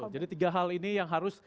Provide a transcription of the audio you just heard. jadi tiga hal ini yang harus